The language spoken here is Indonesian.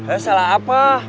eh salah apa